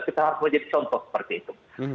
kita harus menjadi contoh seperti itu